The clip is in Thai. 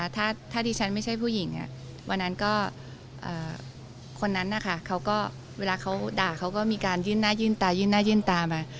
ถ้าที่ฉันไม่ใช่ผู้หญิงวันนั้นก็คนนั้นนะคะเขาก็เวลาเขาด่าเขาก็มีการยื่นหน้ายื่นตายื่นหน้ายื่นตามา